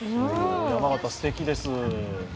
山形、すてきです。